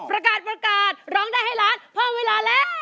ประกาศร้องได้ให้ร้านเพิ่มเวลาแล้ว